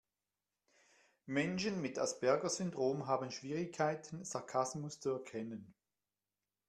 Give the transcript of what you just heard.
Menschen mit Asperger-Syndrom haben Schwierigkeiten, Sarkasmus zu erkennen.